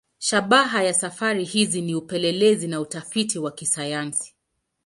Shabaha ya safari hizi ni upelelezi na utafiti wa kisayansi.